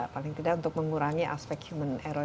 paling tidak untuk mengurangi aspek human error